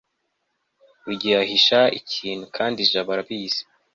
rugeyoahisha ikintu, kandi jabo arabizi